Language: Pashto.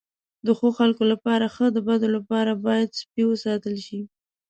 د ښو خلکو لپاره ښه، د بدو لپاره باید سپي وساتل شي.